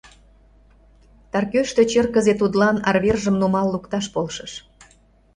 Таркӧштӧ черкызе тудлан арвержым нумал лукташ полшыш.